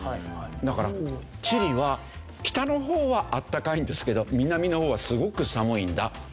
だからチリは北の方は暖かいんですけど南の方はすごく寒いんだというわけですよね。